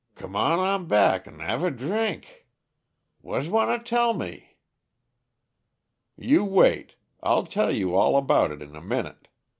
"C'm on back 'n' have drink. Wha's wanna tell me?" "You wait. I'll tell you all about it in a minute.